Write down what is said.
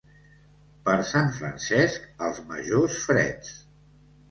Per Sant Francesc, els majors freds.